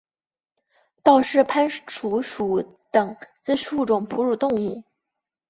道氏攀鼠属等之数种哺乳动物。